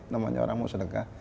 namanya orang mau sedekah